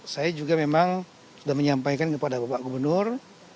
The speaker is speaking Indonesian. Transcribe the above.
saya juga memang sudah menyampaikan kepada bapak gubernur